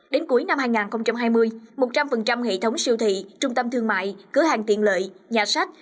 đến cuối năm hai nghìn hai mươi một trăm linh hệ thống siêu thị trung tâm thương mại cửa hàng tiện lợi nhà sách